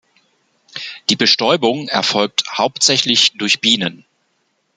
Die Bestäubung erfolgt hauptsächlich durch Bienen.